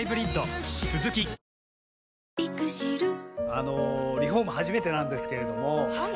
あのリフォーム初めてなんですけれどもはい。